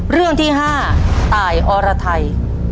เรื่องที่๕ตายอรไทย